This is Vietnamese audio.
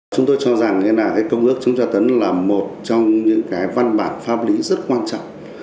chúng tôi cho rằng công ước chúng ta tấn là một trong những văn bản pháp lý rất quan trọng